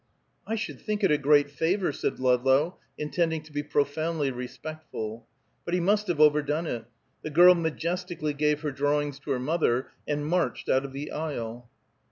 "I should think it a great favor," said Ludlow, intending to be profoundly respectful. But he must have overdone it. The girl majestically gave her drawings to her mother, and marched out of the aisle.